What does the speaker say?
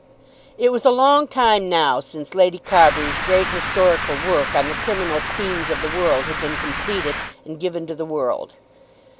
It was a long time now since Lady Carbury's great historical work on the Criminal Queens of the World had been completed and given to the world.